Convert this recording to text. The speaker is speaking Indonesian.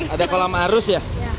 ada kolam arus ya